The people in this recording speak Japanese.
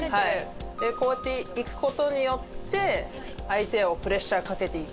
こうやっていく事によって相手をプレッシャーかけていく。